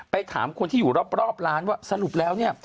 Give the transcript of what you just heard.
ถามคนที่อยู่รอบร้านว่าสรุปแล้วเนี่ย